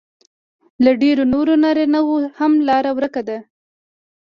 له ډېرو نورو نارینهو هم لار ورکه ده